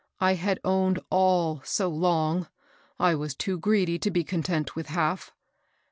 I had owned all so long, I was too greedy to be content with half.